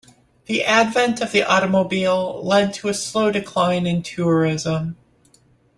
The advent of the automobile led to a slow decline in tourism.